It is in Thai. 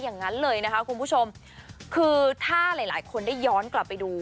อย่างนั้นเลยนะคะคุณผู้ชมคือถ้าหลายหลายคนได้ย้อนกลับไปดู